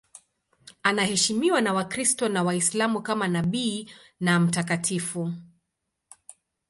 Anaheshimiwa na Wakristo na Waislamu kama nabii na mtakatifu.